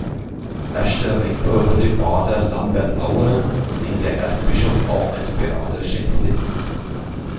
Erster Rektor wurde Pater Lambert Auer, den der Erzbischof auch als Berater schätzte.